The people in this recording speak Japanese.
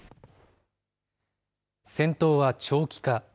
戦闘は長期化。